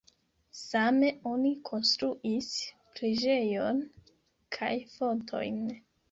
Same oni konstruis preĝejon kaj fontojn.